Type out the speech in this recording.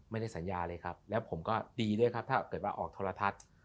ไม่ได้สัญญาเลยครับแล้วผมก็ดีด้วยครับถ้าเกิดว่าออกโทรทัศน์